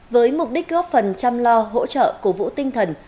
với mục đích góp phần chăm lo hỗ trợ cổ vũ tinh thần